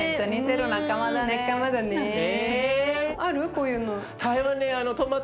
こういうの。